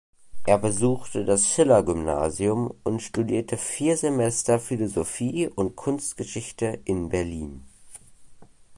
Er besuchte das Schillergymnasium und studierte vier Semester Philosophie und Kunstgeschichte in Berlin.